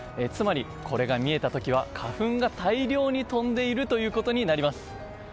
つまりこれが見えた時は花粉が大量に飛んでいるということになります。